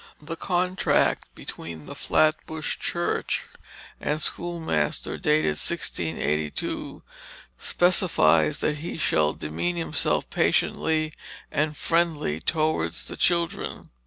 The contract between the Flatbush Church and schoolmaster, dated 1682, specifies that he shall "demean himself patient and friendly towards the children."